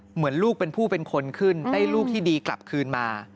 เหมือนลูกเป็นผู้เป็นคนขึ้นได้ลูกที่ดีกลับคืนมา